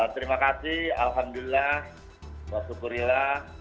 terima kasih alhamdulillah bersyukurillah